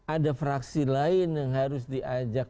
ada fraksi lain yang harus diajak